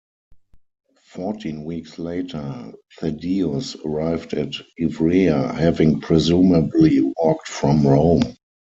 Fourteen weeks later, Thaddeus arrived at Ivrea having presumably walked from Rome.